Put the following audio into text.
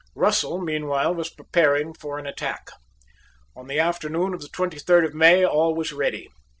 Russell meanwhile was preparing for an attack. On the afternoon of the twenty third of May all was ready.